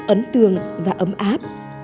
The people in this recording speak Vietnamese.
ấn tường và ấm áp